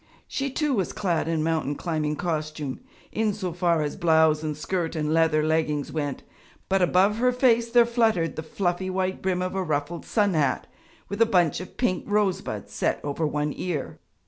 She too was clad in mountain climbing costume, in so far as blouse and skirt and leather leggings went, but above her face there fluttered the fluffy white brim of a ruffled sun hat with a bunch of pink rosebuds set over one ear.